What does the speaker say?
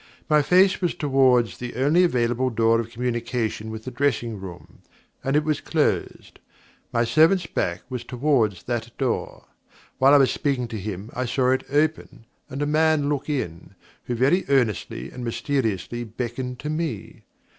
My face was towards the only available door of communication with the dressing room, and it was closed. My servant's back was towards that door. While I was speaking to him I saw it open, and a man look in, who very earnestly and mysteriously beckoned to me.